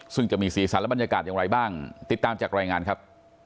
ซึ่งจะมีสีสันและบรรยากาศอย่างไรบ้างติดตามจากรายงานครับ